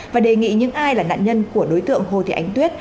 và đề nghị những ai là nạn nhân của đối tượng hồ thị ánh tuyết